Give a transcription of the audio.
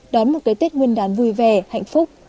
đón một cái tết nguyên đán vui vẻ hạnh phúc